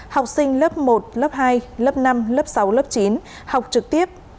học sinh lớp một lớp hai lớp năm lớp sáu lớp chín học trực tiếp